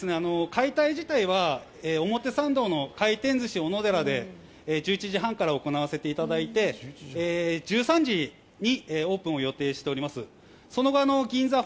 解体自体は表参道の回転寿司おのでらで１１時半から行わせていただいて、１３時にオープンを予定しております。